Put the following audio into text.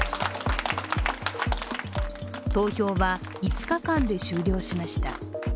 投票は５日間で終了しました。